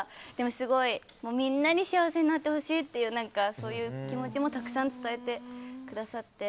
すごい、みんなに幸せになってほしいという気持ちもたくさん伝えてくださって。